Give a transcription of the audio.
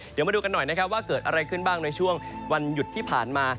เดี๋ยวมาดูกันหน่อยนะครับว่าเกิดอะไรขึ้นบ้างในช่วงวันหยุดที่ผ่านมา